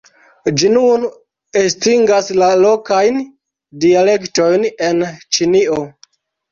Ĝi nun estingas la lokajn dialektojn en Ĉinio.